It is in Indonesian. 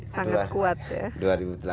sangat kuat ya